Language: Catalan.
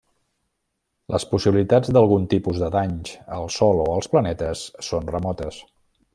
Les possibilitats d'algun tipus de danys al Sol o els planetes són remotes.